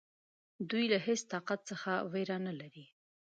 دوی له هیڅ طاقت څخه وېره نه لري.